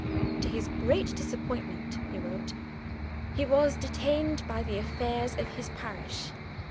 To his great disappointment (he wrote) he was detained by the affairs of his parish.